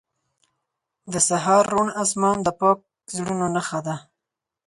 • د سهار روڼ آسمان د پاک زړونو نښه ده.